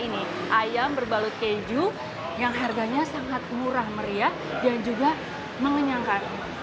ini ayam berbalut keju yang harganya sangat murah meriah dan juga mengenyangkan